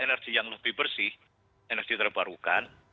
energi yang lebih bersih energi terbarukan